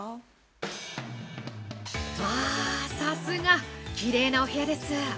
◆さすが、きれいなお部屋です！